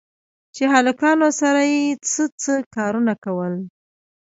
چې هلکانو سره يې څه څه کارونه کول.